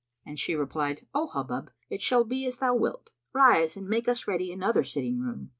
And she replied, "O Hubub, it shall be as thou wilt. Rise and make us ready another sitting room."